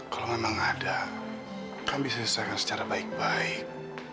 kalau memang ada kami bisa selesaikan secara baik baik